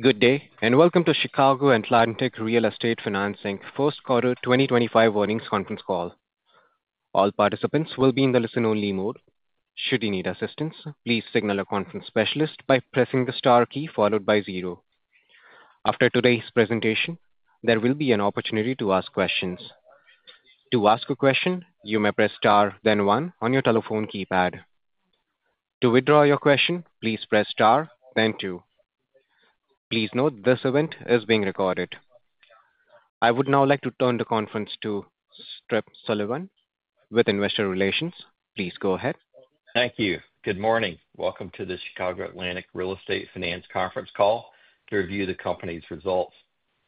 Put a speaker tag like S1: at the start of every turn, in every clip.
S1: Good day, and welcome to Chicago Atlantic Real Estate Finance first quarter 2025 earnings conference call. All participants will be in the listen-only mode. Should you need assistance, please signal a conference specialist by pressing the star key followed by zero. After today's presentation, there will be an opportunity to ask questions. To ask a question, you may press star, then one on your telephone keypad. To withdraw your question, please press star, then two. Please note this event is being recorded. I would now like to turn the conference to Tripp Sullivan with Investor Relations. Please go ahead.
S2: Thank you. Good morning. Welcome to the Chicago Atlantic Real Estate Finance conference call to review the company's results.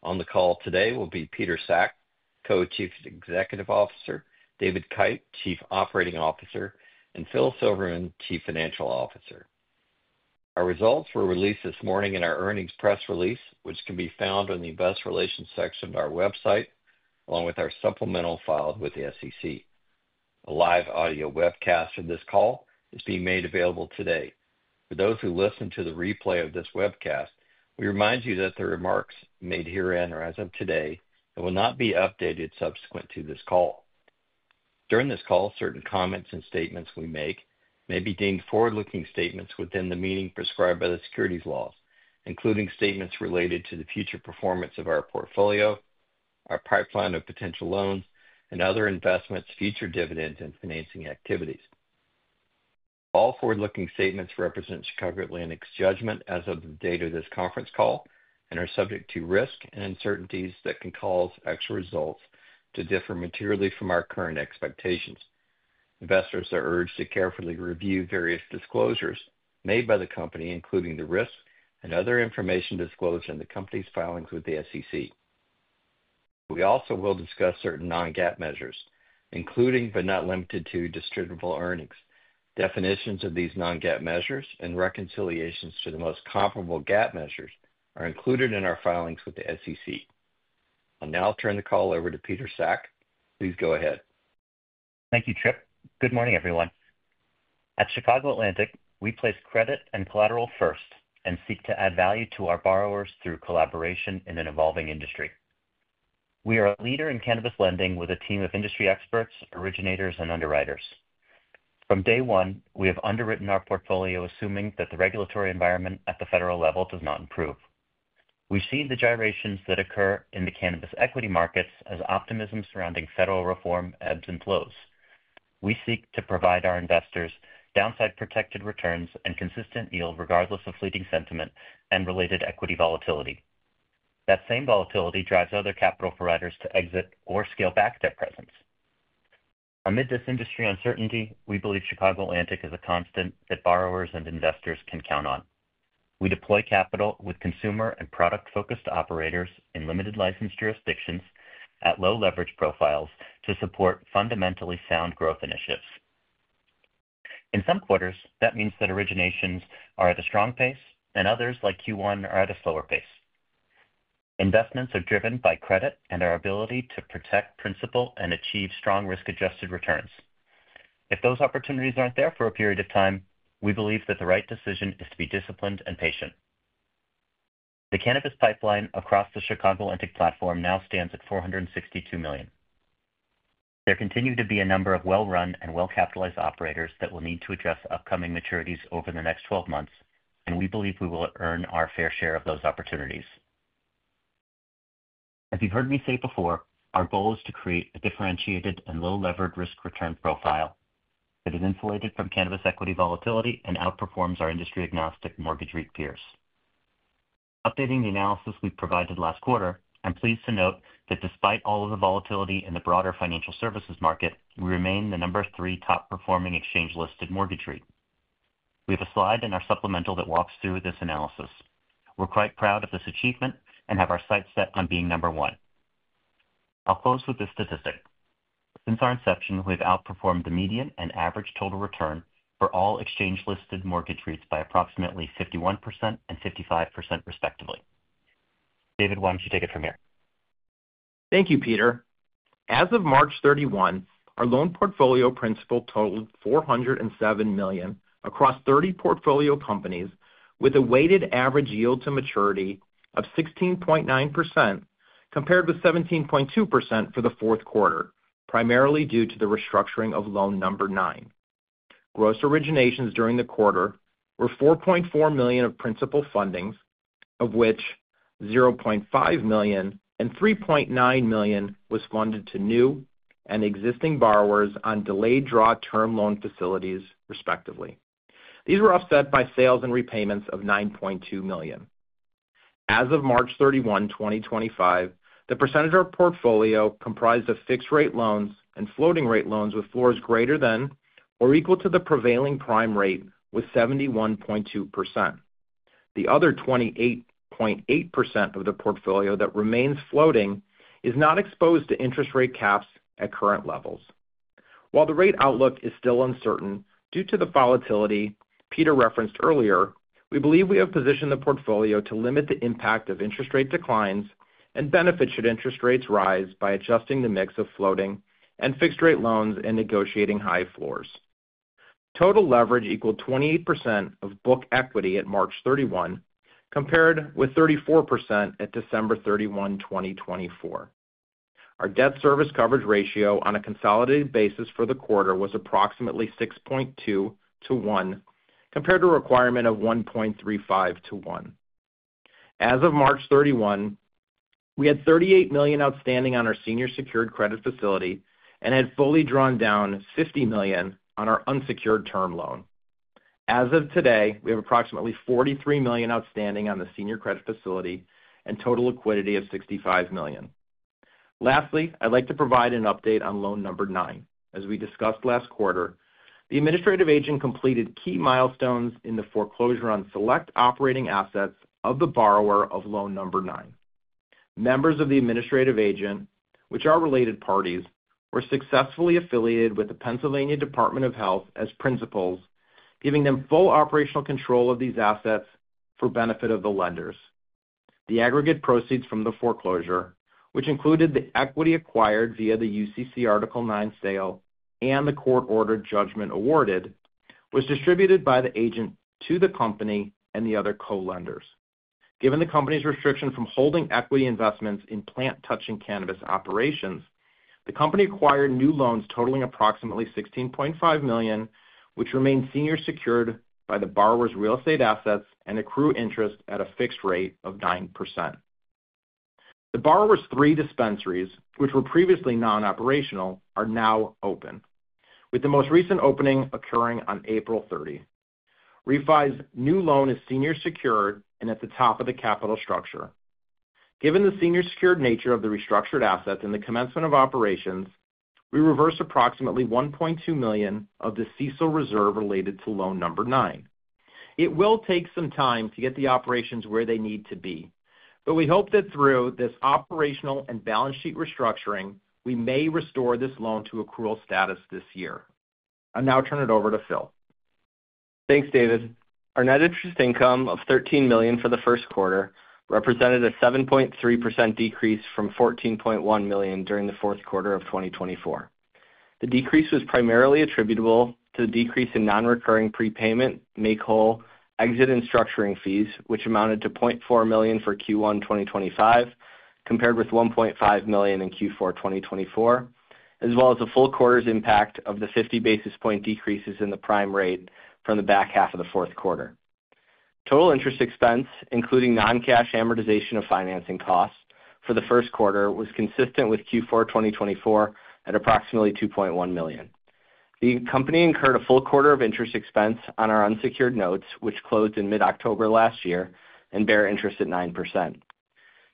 S2: On the call today will be Peter Sack, Co-Chief Executive Officer; David Kite, Chief Operating Officer; and Phil Silverman, Chief Financial Officer. Our results were released this morning in our earnings press release, which can be found on the Investor Relations section of our website, along with our supplemental filed with the SEC. A live audio webcast of this call is being made available today. For those who listen to the replay of this webcast, we remind you that the remarks made herein are as of today and will not be updated subsequent to this call. During this call, certain comments and statements we make may be deemed forward-looking statements within the meaning prescribed by the Securities Laws, including statements related to the future performance of our portfolio, our pipeline of potential loans, and other investments, future dividends, and financing activities. All forward-looking statements represent Chicago Atlantic's judgment as of the date of this conference call and are subject to risk and uncertainties that can cause actual results to differ materially from our current expectations. Investors are urged to carefully review various disclosures made by the company, including the risk and other information disclosed in the company's filings with the SEC. We also will discuss certain non-GAAP measures, including but not limited to distributable earnings. Definitions of these non-GAAP measures and reconciliations to the most comparable GAAP measures are included in our filings with the SEC. I'll now turn the call over to Peter Sack. Please go ahead.
S3: Thank you, Tripp. Good morning, everyone. At Chicago Atlantic, we place credit and collateral first and seek to add value to our borrowers through collaboration in an evolving industry. We are a leader in cannabis lending with a team of industry experts, originators, and underwriters. From day one, we have underwritten our portfolio assuming that the regulatory environment at the federal level does not improve. We've seen the gyrations that occur in the cannabis equity markets as optimism surrounding federal reform ebbs and flows. We seek to provide our investors downside-protected returns and consistent yield regardless of fleeting sentiment and related equity volatility. That same volatility drives other capital providers to exit or scale back their presence. Amid this industry uncertainty, we believe Chicago Atlantic is a constant that borrowers and investors can count on. We deploy capital with consumer and product-focused operators in limited-license jurisdictions at low-leverage profiles to support fundamentally sound growth initiatives. In some quarters, that means that originations are at a strong pace, and others, like Q1, are at a slower pace. Investments are driven by credit and our ability to protect principal and achieve strong risk-adjusted returns. If those opportunities aren't there for a period of time, we believe that the right decision is to be disciplined and patient. The cannabis pipeline across the Chicago Atlantic platform now stands at $462 million. There continue to be a number of well-run and well-capitalized operators that will need to address upcoming maturities over the next 12 months, and we believe we will earn our fair share of those opportunities. As you've heard me say before, our goal is to create a differentiated and low-leverage risk-return profile that is insulated from cannabis equity volatility and outperforms our industry-agnostic mortgage REIT peers. Updating the analysis we provided last quarter, I'm pleased to note that despite all of the volatility in the broader financial services market, we remain the number three top-performing exchange-listed mortgage REIT. We have a slide in our supplemental that walks through this analysis. We're quite proud of this achievement and have our sights set on being number one. I'll close with this statistic. Since our inception, we have outperformed the median and average total return for all exchange-listed mortgage REITs by approximately 51% and 55%, respectively. David, why don't you take it from here?
S4: Thank you, Peter. As of March 31, our loan portfolio principal totaled $407 million across 30 portfolio companies, with a weighted average yield to maturity of 16.9% compared with 17.2% for the fourth quarter, primarily due to the restructuring of loan number nine. Gross originations during the quarter were $4.4 million of principal fundings, of which $0.5 million and $3.9 million was funded to new and existing borrowers on delayed-draw term loan facilities, respectively. These were offset by sales and repayments of $9.2 million. As of March 31, 2025, the percentage of our portfolio comprised of fixed-rate loans and floating-rate loans with floors greater than or equal to the prevailing prime rate was 71.2%. The other 28.8% of the portfolio that remains floating is not exposed to interest rate caps at current levels. While the rate outlook is still uncertain due to the volatility Peter referenced earlier, we believe we have positioned the portfolio to limit the impact of interest rate declines and benefit should interest rates rise by adjusting the mix of floating and fixed-rate loans and negotiating high floors. Total leverage equaled 28% of book equity at March 31, compared with 34% at December 31, 2023. Our debt service coverage ratio on a consolidated basis for the quarter was approximately 6.2 to 1, compared to a requirement of 1.35 to 1. As of March 31, we had $38 million outstanding on our senior secured credit facility and had fully drawn down $50 million on our unsecured term loan. As of today, we have approximately $43 million outstanding on the senior credit facility and total liquidity of $65 million. Lastly, I'd like to provide an update on loan number nine. As we discussed last quarter, the administrative agent completed key milestones in the foreclosure on select operating assets of the borrower of loan number nine. Members of the administrative agent, which are related parties, were successfully affiliated with the Pennsylvania Department of Health as principals, giving them full operational control of these assets for benefit of the lenders. The aggregate proceeds from the foreclosure, which included the equity acquired via the UCC Article 9 sale and the court-ordered judgment awarded, was distributed by the agent to the company and the other co-lenders. Given the company's restriction from holding equity investments in plant-touching cannabis operations, the company acquired new loans totaling approximately $16.5 million, which remain senior-secured by the borrower's real estate assets and accrue interest at a fixed rate of 9%. The borrower's three dispensaries, which were previously non-operational, are now open, with the most recent opening occurring on April 30. REFI's new loan is senior secured and at the top of the capital structure. Given the senior secured nature of the restructured assets and the commencement of operations, we reversed approximately $1.2 million of the CESO reserve related to loan number nine. It will take some time to get the operations where they need to be, but we hope that through this operational and balance sheet restructuring, we may restore this loan to accrual status this year. I'll now turn it over to Phil.
S5: Thanks, David. Our net interest income of $13 million for the first quarter represented a 7.3% decrease from $14.1 million during the fourth quarter of 2024. The decrease was primarily attributable to the decrease in non-recurring prepayment, make-whole, exit, and structuring fees, which amounted to $0.4 million for Q1 2025, compared with $1.5 million in Q4 2024, as well as the full quarter's impact of the 50 basis point decreases in the prime rate from the back half of the fourth quarter. Total interest expense, including non-cash amortization of financing costs for the first quarter, was consistent with Q4 2024 at approximately $2.1 million. The company incurred a full quarter of interest expense on our unsecured notes, which closed in mid-October last year and bear interest at 9%.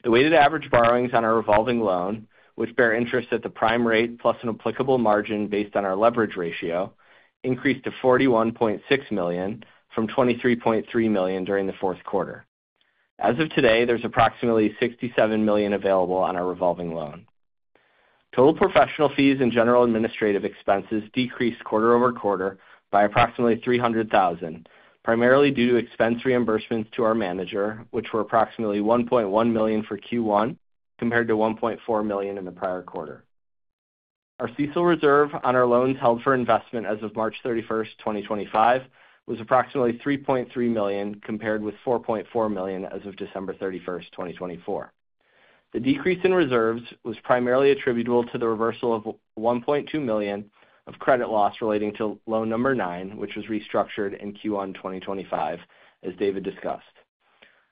S5: The weighted average borrowings on our revolving loan, which bear interest at the prime rate plus an applicable margin based on our leverage ratio, increased to $41.6 million from $23.3 million during the fourth quarter. As of today, there's approximately $67 million available on our revolving loan. Total professional fees and general administrative expenses decreased quarter over quarter by approximately $300,000, primarily due to expense reimbursements to our manager, which were approximately $1.1 million for Q1 compared to $1.4 million in the prior quarter. Our CECL reserve on our loans held for investment as of March 31, 2025, was approximately $3.3 million compared with $4.4 million as of December 31, 2024. The decrease in reserves was primarily attributable to the reversal of $1.2 million of credit loss relating to loan number nine, which was restructured in Q1 2025, as David discussed.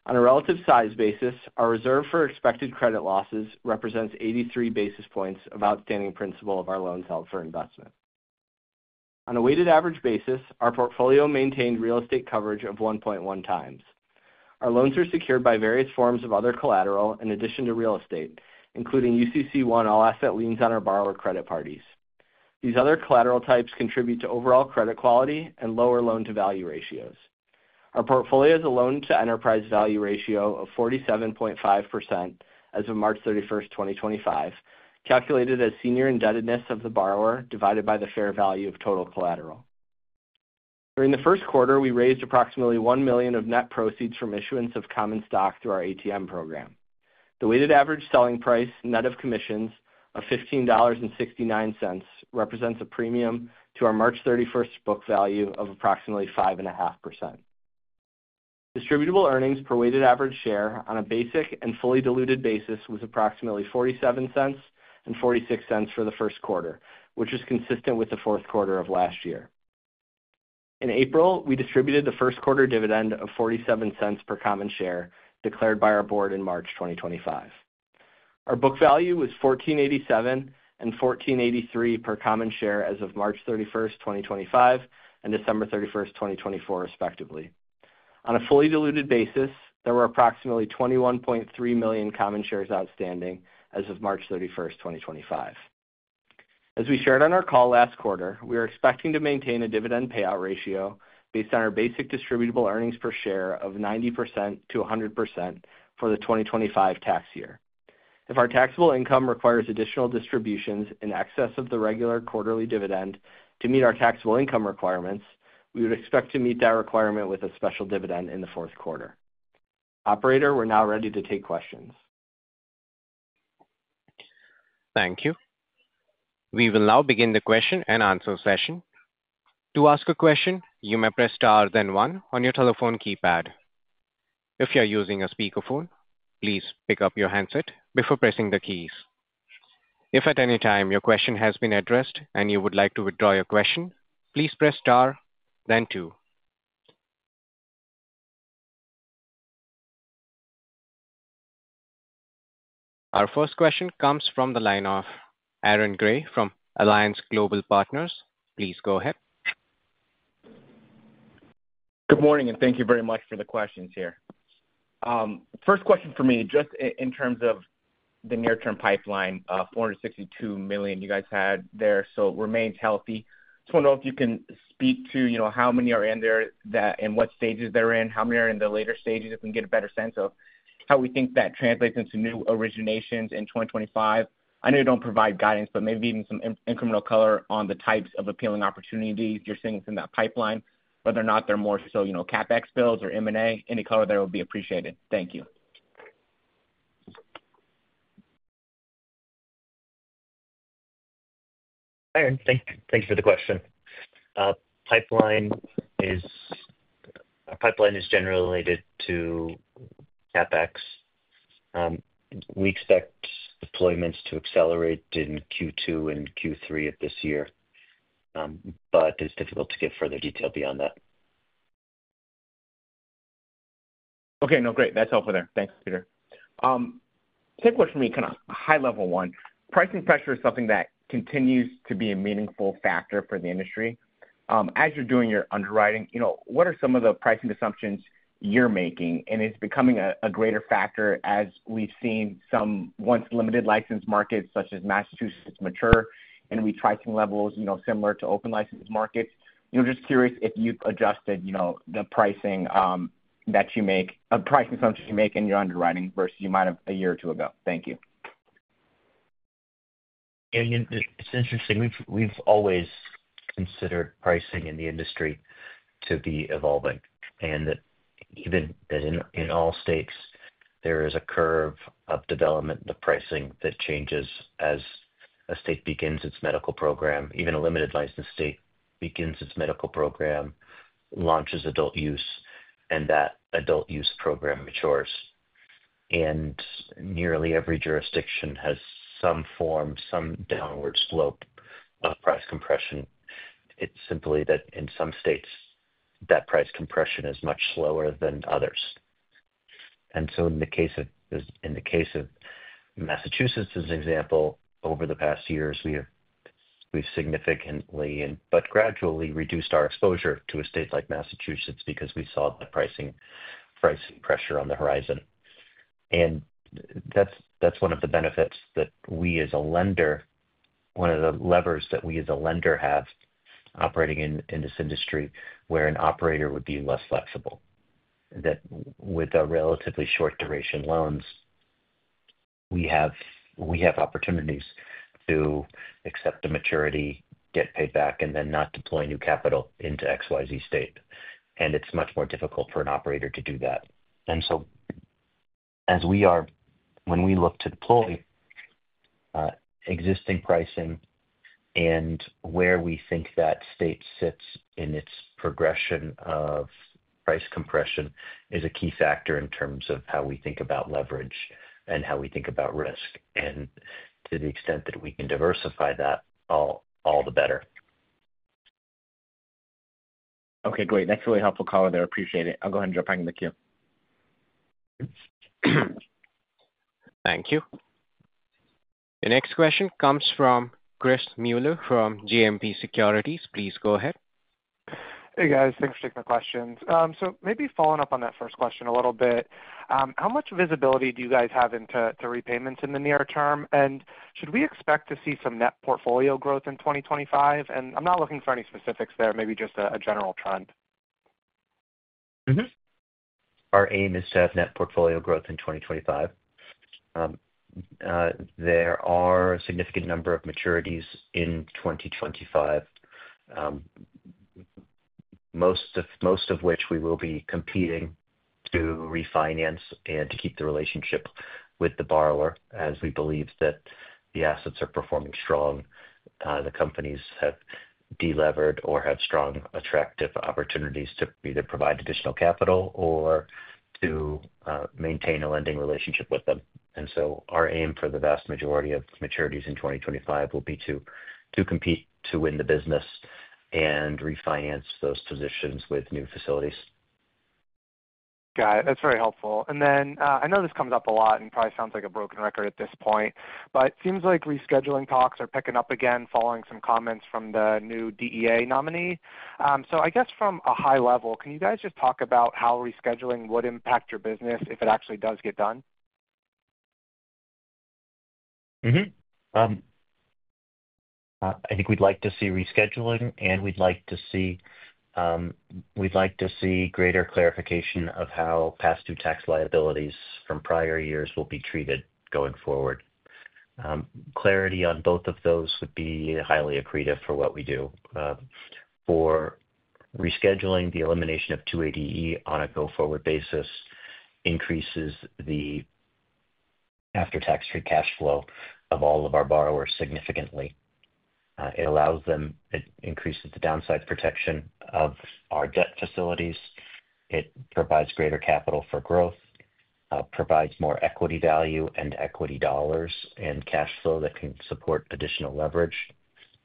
S5: On a relative size basis, our reserve for expected credit losses represents 83 basis points of outstanding principal of our loans held for investment. On a weighted average basis, our portfolio maintained real estate coverage of 1.1x. Our loans are secured by various forms of other collateral in addition to real estate, including UCC-1 all-asset liens on our borrower credit parties. These other collateral types contribute to overall credit quality and lower loan-to-value ratios. Our portfolio has a loan-to-enterprise value ratio of 47.5% as of March 31, 2025, calculated as senior indebtedness of the borrower divided by the fair value of total collateral. During the first quarter, we raised approximately $1 million of net proceeds from issuance of common stock through our ATM program. The weighted average selling price net of commissions of $15.69 represents a premium to our March 31 book value of approximately 5.5%. Distributable earnings per weighted average share on a basic and fully diluted basis was approximately $0.47 and $0.46 for the first quarter, which is consistent with the fourth quarter of last year. In April, we distributed the first quarter dividend of $0.47 per common share declared by our board in March 2025. Our book value was $1,487 and $1,483 per common share as of March 31, 2025, and December 31, 2024, respectively. On a fully diluted basis, there were approximately 21.3 million common shares outstanding as of March 31, 2025. As we shared on our call last quarter, we are expecting to maintain a dividend payout ratio based on our basic distributable earnings per share of 90% to 100% for the 2025 tax year. If our taxable income requires additional distributions in excess of the regular quarterly dividend to meet our taxable income requirements, we would expect to meet that requirement with a special dividend in the fourth quarter. Operator, we're now ready to take questions.
S1: Thank you. We will now begin the question and answer session. To ask a question, you may press star then one on your telephone keypad. If you're using a speakerphone, please pick up your handset before pressing the keys. If at any time your question has been addressed and you would like to withdraw your question, please press star then two. Our first question comes from the line of Aaron Grey from Alliance Global Partners. Please go ahead.
S6: Good morning, and thank you very much for the questions here. First question for me, just in terms of the near-term pipeline, $462 million you guys had there, so it remains healthy. Just wonder if you can speak to how many are in there and what stages they're in, how many are in the later stages, if we can get a better sense of how we think that translates into new originations in 2025. I know you don't provide guidance, but maybe even some incremental color on the types of appealing opportunities you're seeing from that pipeline, whether or not they're more so CapEx builds or M&A. Any color there would be appreciated. Thank you.
S3: Aaron, thanks for the question. Our pipeline is generally related to CapEx. We expect deployments to accelerate in Q2 and Q3 of this year, but it's difficult to get further detail beyond that.
S6: Okay. No, great. That's helpful there. Thanks, Peter. Same question for me, kind of high-level one. Pricing pressure is something that continues to be a meaningful factor for the industry. As you're doing your underwriting, what are some of the pricing assumptions you're making? Is it becoming a greater factor as we've seen some once-limited license markets such as Massachusetts mature and retracing levels similar to open license markets? Just curious if you've adjusted the pricing that you make, pricing assumptions you make in your underwriting versus you might have a year or two ago. Thank you.
S3: Yeah. It's interesting. We've always considered pricing in the industry to be evolving. Even in all states, there is a curve of development in the pricing that changes as a state begins its medical program. Even a limited license state begins its medical program, launches adult use, and that adult use program matures. Nearly every jurisdiction has some form, some downward slope of price compression. It's simply that in some states, that price compression is much slower than others. In the case of Massachusetts, as an example, over the past years, we've significantly but gradually reduced our exposure to a state like Massachusetts because we saw the pricing pressure on the horizon. That's one of the benefits that we as a lender, one of the levers that we as a lender have operating in this industry where an operator would be less flexible. With relatively short-duration loans, we have opportunities to accept the maturity, get paid back, and then not deploy new capital into XYZ state. It is much more difficult for an operator to do that. As we are when we look to deploy existing pricing and where we think that state sits in its progression of price compression is a key factor in terms of how we think about leverage and how we think about risk. To the extent that we can diversify that, all the better.
S6: Okay. Great. That's really helpful, color. I appreciate it. I'll go ahead and jump back in the queue.
S1: Thank you. The next question comes from Chris Muller from JMP Securities. Please go ahead.
S7: Hey, guys. Thanks for taking the questions. Maybe following up on that first question a little bit, how much visibility do you guys have into repayments in the near term? Should we expect to see some net portfolio growth in 2025? I'm not looking for any specifics there, maybe just a general trend.
S3: Our aim is to have net portfolio growth in 2025. There are a significant number of maturities in 2025, most of which we will be competing to refinance and to keep the relationship with the borrower as we believe that the assets are performing strong. The companies have delevered or have strong attractive opportunities to either provide additional capital or to maintain a lending relationship with them. Our aim for the vast majority of maturities in 2025 will be to compete to win the business and refinance those positions with new facilities.
S7: Got it. That's very helpful. I know this comes up a lot and probably sounds like a broken record at this point, but it seems like rescheduling talks are picking up again following some comments from the new DEA nominee. I guess from a high level, can you guys just talk about how rescheduling would impact your business if it actually does get done?
S3: I think we'd like to see rescheduling, and we'd like to see greater clarification of how past-due tax liabilities from prior years will be treated going forward. Clarity on both of those would be highly accretive for what we do. For rescheduling, the elimination of 280E on a go-forward basis increases the after-tax free cash flow of all of our borrowers significantly. It allows them, it increases the downside protection of our debt facilities. It provides greater capital for growth, provides more equity value and equity dollars and cash flow that can support additional leverage,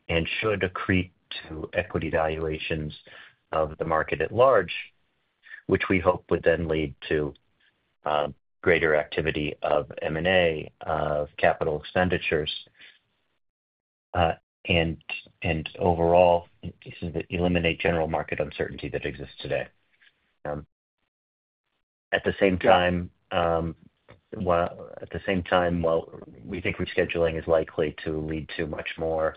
S3: and should accrete to equity valuations of the market at large, which we hope would then lead to greater activity of M&A, of capital expenditures, and overall, it eliminates general market uncertainty that exists today. At the same time, while we think rescheduling is likely to lead to much more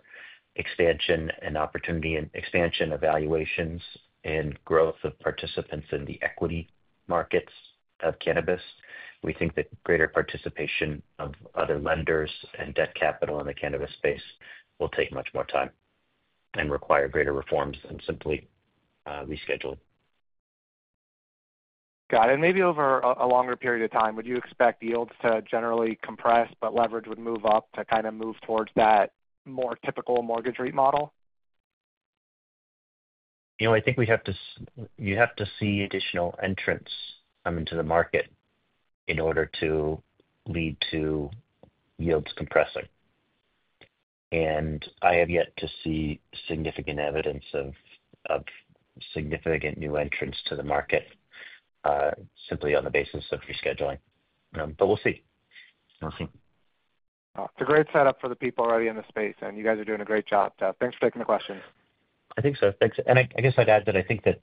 S3: expansion and opportunity and expansion evaluations and growth of participants in the equity markets of cannabis, we think that greater participation of other lenders and debt capital in the cannabis space will take much more time and require greater reforms than simply reschedule.
S7: Got it. Maybe over a longer period of time, would you expect yields to generally compress, but leverage would move up to kind of move towards that more typical mortgage REIT model?
S3: I think we have to see additional entrants into the market in order to lead to yields compressing. I have yet to see significant evidence of significant new entrants to the market simply on the basis of rescheduling. We will see. We will see.
S7: It's a great setup for the people already in the space, and you guys are doing a great job. Thanks for taking the question.
S3: I think so. Thanks. I guess I'd add that I think that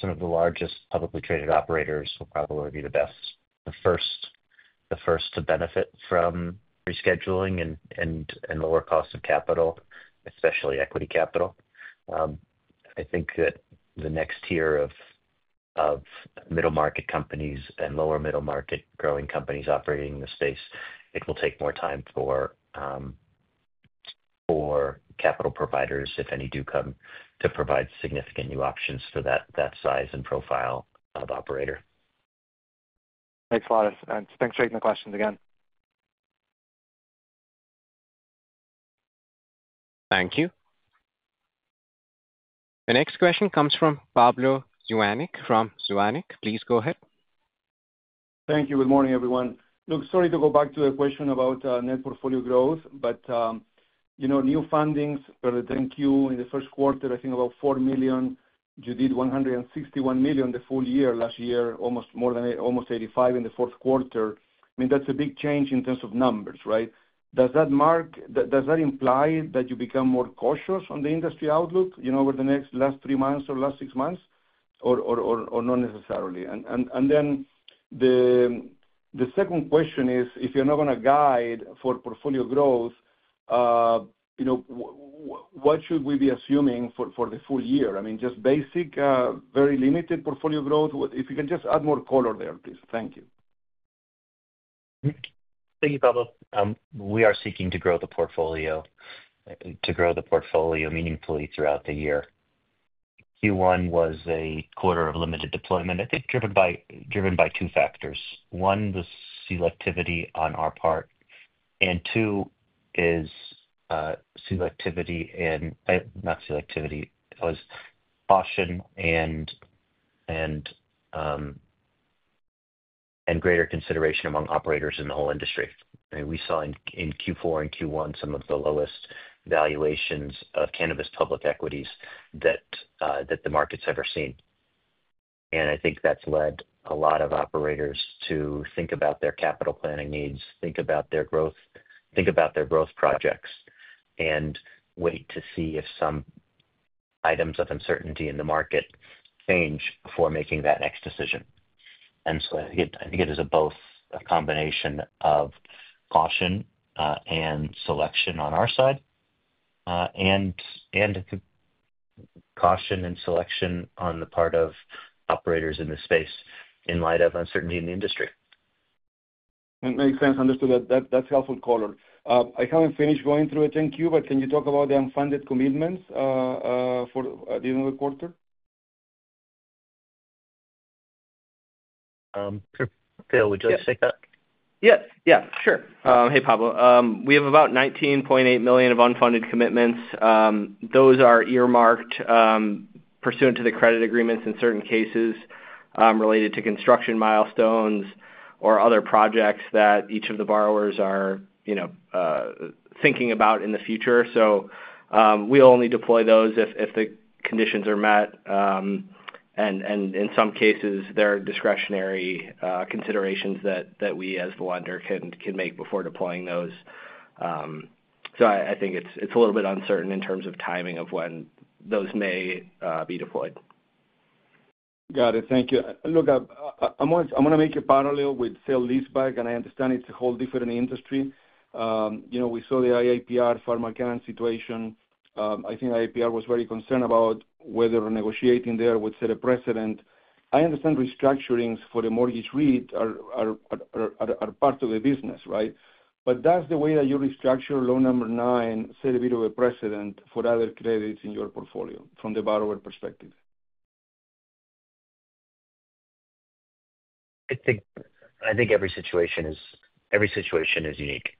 S3: some of the largest publicly traded operators will probably be the first to benefit from rescheduling and lower cost of capital, especially equity capital. I think that the next tier of middle-market companies and lower middle-market growing companies operating in the space, it will take more time for capital providers, if any do come, to provide significant new options for that size and profile of operator.
S5: Thanks, a lot. Thanks for taking the questions again.
S1: Thank you. The next question comes from Pablo Zuanic from Zuanic. Please go ahead.
S8: Thank you. Good morning, everyone. Look, sorry to go back to the question about net portfolio growth, but new fundings, or the 10-Q in the first quarter, I think about $4 million. You did $161 million the full year last year, almost $85 million in the fourth quarter. I mean, that's a big change in terms of numbers, right? Does that imply that you become more cautious on the industry outlook over the last three months or last six months, or not necessarily? The second question is, if you're not going to guide for portfolio growth, what should we be assuming for the full year? I mean, just basic, very limited portfolio growth. If you can just add more color there, please. Thank you.
S3: Thank you, Pablo. We are seeking to grow the portfolio, to grow the portfolio meaningfully throughout the year. Q1 was a quarter of limited deployment, I think driven by two factors. One, the selectivity on our part, and two, caution and greater consideration among operators in the whole industry. We saw in Q4 and Q1 some of the lowest valuations of cannabis public equities that the market's ever seen. I think that's led a lot of operators to think about their capital planning needs, think about their growth, think about their growth projects, and wait to see if some items of uncertainty in the market change before making that next decision. I think it is a combination of caution and selection on our side, and caution and selection on the part of operators in the space in light of uncertainty in the industry.
S8: That makes sense. Understood. That's helpful, color. I haven't finished going through the 10Q, but can you talk about the unfunded commitments for the end of the quarter?
S3: Phil, would you like to take that?
S5: Yeah. Yeah. Sure. Hey, Pablo. We have about $19.8 million of unfunded commitments. Those are earmarked pursuant to the credit agreements in certain cases related to construction milestones or other projects that each of the borrowers are thinking about in the future. We will only deploy those if the conditions are met. In some cases, there are discretionary considerations that we as the lender can make before deploying those. I think it is a little bit uncertain in terms of timing of when those may be deployed.
S8: Got it. Thank you. Look, I'm going to make a parallel with Phil, and I understand it's a whole different industry. We saw the IAPR Pharmacon situation. I think IAPR was very concerned about whether negotiating there would set a precedent. I understand restructurings for the mortgage REIT are part of the business, right? That's the way that you restructure loan number nine, set a bit of a precedent for other credits in your portfolio from the borrower perspective.
S3: I think every situation is unique.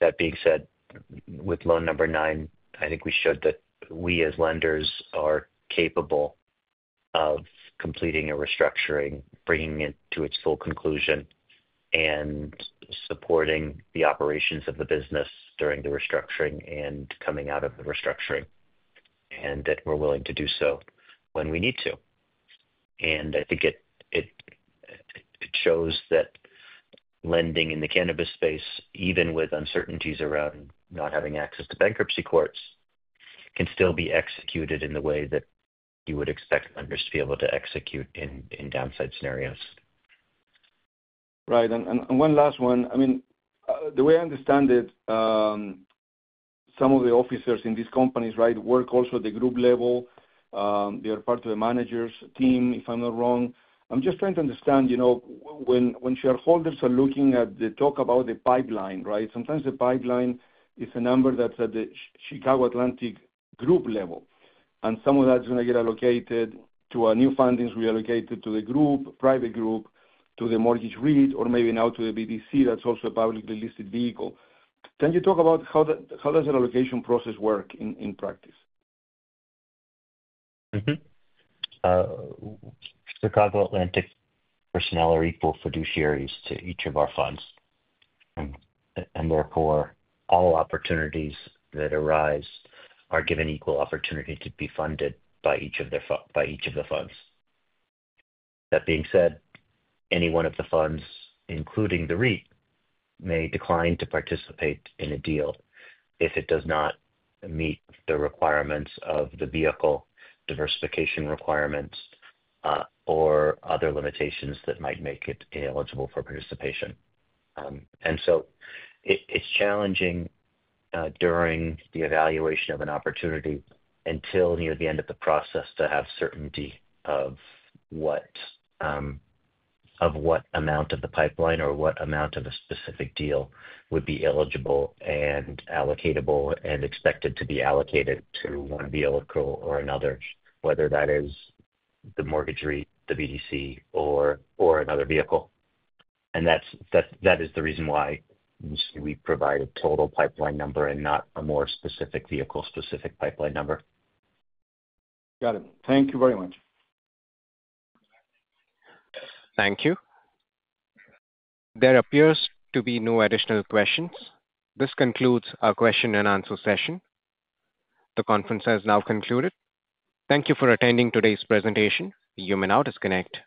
S3: That being said, with loan number nine, I think we showed that we as lenders are capable of completing a restructuring, bringing it to its full conclusion, and supporting the operations of the business during the restructuring and coming out of the restructuring, and that we are willing to do so when we need to. I think it shows that lending in the cannabis space, even with uncertainties around not having access to bankruptcy courts, can still be executed in the way that you would expect lenders to be able to execute in downside scenarios.
S8: Right. And one last one. I mean, the way I understand it, some of the officers in these companies, right, work also at the group level. They are part of the managers' team, if I'm not wrong. I'm just trying to understand when shareholders are looking at the talk about the pipeline, right? Sometimes the pipeline is a number that's at the Chicago Atlantic group level. And some of that's going to get allocated to new fundings we allocated to the group, private group, to the mortgage REIT, or maybe now to the BDC that's also a publicly listed vehicle. Can you talk about how does the allocation process work in practice?
S3: The Chicago Atlantic personnel are equal fiduciaries to each of our funds. Therefore, all opportunities that arise are given equal opportunity to be funded by each of the funds. That being said, any one of the funds, including the REIT, may decline to participate in a deal if it does not meet the requirements of the vehicle diversification requirements or other limitations that might make it ineligible for participation. It is challenging during the evaluation of an opportunity until near the end of the process to have certainty of what amount of the pipeline or what amount of a specific deal would be eligible and allocatable and expected to be allocated to one vehicle or another, whether that is the mortgage REIT, the BDC, or another vehicle. That is the reason why we provide a total pipeline number and not a more specific vehicle-specific pipeline number.
S8: Got it. Thank you very much.
S1: Thank you. There appears to be no additional questions. This concludes our question-and-answer session. The conference has now concluded. Thank you for attending today's presentation. You may now disconnect.